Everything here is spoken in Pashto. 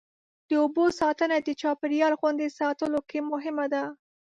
د اوبو ساتنه د چاپېریال خوندي ساتلو کې مهمه ده.